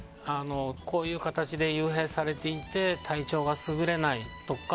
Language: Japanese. こういう形で幽閉されていて体調が優れないとか。